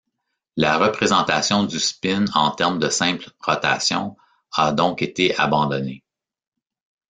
La représentation du spin en termes de simple rotation a donc été abandonnée.